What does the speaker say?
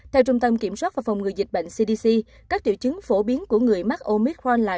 theo trung tâm kiểm soát và phòng ngừa dịch bệnh cdc các triệu chứng phổ biến của người mắc oic forne